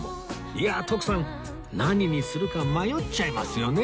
いや徳さん何にするか迷っちゃいますよね